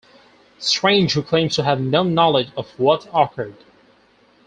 Strange who claims to have no knowledge of what occurred.